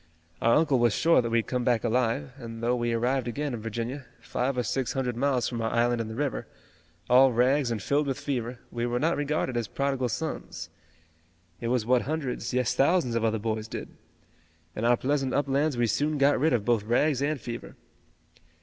Our uncle was sure that we'd come back alive, and though we arrived again in Virginia, five or six hundred miles from our island in the river, all rags and filled with fever, we were not regarded as prodigal sons. It was what hundreds, yes, thousands of other boys did. In our pleasant uplands we soon got rid of both rags and fever."